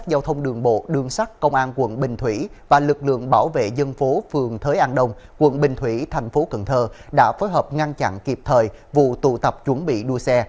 các lực lượng bảo vệ dân phố phường thới an đông quận bình thủy thành phố cần thơ đã phối hợp ngăn chặn kịp thời vụ tụ tập chuẩn bị đua xe